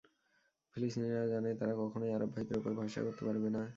ফিলিস্তিনিরা জানে, তারা কখনোই আরব ভাইদের ওপর ভরসা করতে পারবে না।